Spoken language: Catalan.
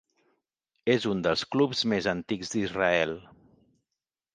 És un dels clubs més antics d'Israel.